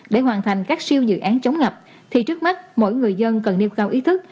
để hoàn thành các siêu dự án chống ngập thì trước mắt mỗi người dân cần nêu cao ý thức